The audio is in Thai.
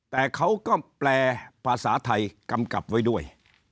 แต่เขาก็แปลภาษาไทยกำกับไว้ด้วย